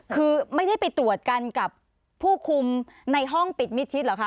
คือไม่ได้ไปตรวจกันกับผู้คุมในห้องปิดมิดชิดเหรอคะ